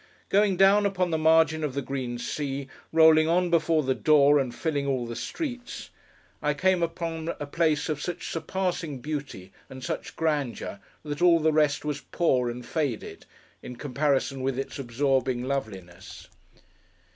Going down upon the margin of the green sea, rolling on before the door, and filling all the streets, I came upon a place of such surpassing beauty, and such grandeur, that all the rest was poor and faded, in comparison with its absorbing loveliness.